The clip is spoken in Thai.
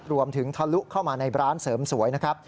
ทะลุเข้ามาในร้านเสริมสวยนะครับ